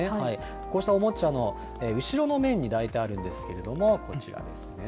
こうしたおもちゃの後ろの面に大体あるんですけれども、こちらですね。